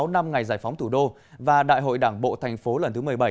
sáu năm ngày giải phóng thủ đô và đại hội đảng bộ thành phố lần thứ một mươi bảy